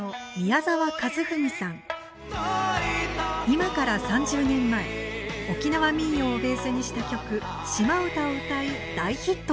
今から３０年前沖縄民謡をベースにした曲「島唄」を歌い大ヒットを記録。